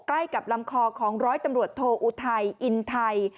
ใกล้กับลำคอของร้อยตำรวจโทอุทัยอินไทย